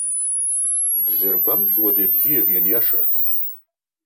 Дзыргәамҵуазеи, бзиак ианиаша?